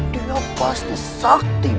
dia pasti sakti